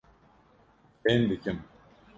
Fêm dikim.